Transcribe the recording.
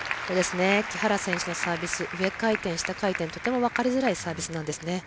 木原選手のサービス上回転、下回転とても分かりづらいサービスなんです。